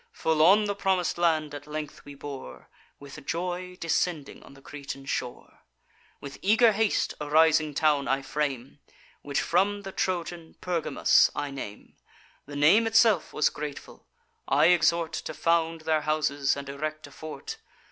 Full on the promis'd land at length we bore, With joy descending on the Cretan shore. With eager haste a rising town I frame, Which from the Trojan Pergamus I name: The name itself was grateful; I exhort To found their houses, and erect a fort.